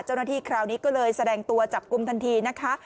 เจ้าหน้าที่คราวนี้ก็เลยแสดงตัวจับกลุ่มทันทีนะคะ